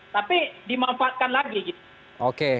tapi dimanfaatkan lagi gitu